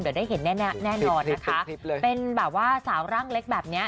เดี๋ยวได้เห็นแน่แน่นอนนะคะคลิปเลยเป็นแบบว่าสาวร่างเล็กแบบเนี้ย